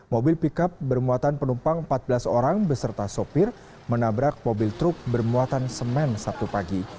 mobil pickup bermuatan penumpang empat belas orang beserta sopir menabrak mobil truk bermuatan semen sabtu pagi